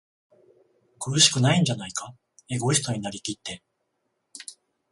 苦しくないんじゃないか？エゴイストになりきって、